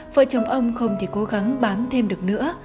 vợ chồng ông không thể cố gắng bán thêm được